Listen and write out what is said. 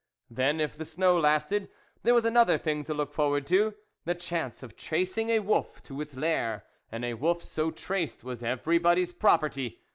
Then, if the snow lasted, there was another thing to look forward to, the chance of tracing a wolf to its lair, and a wolf so traced was everybody's property.